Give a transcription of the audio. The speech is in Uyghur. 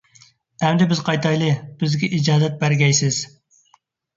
ئەمدى بىز قايتايلى، بىزگە ئىجازەت بەرگەيسىز؟!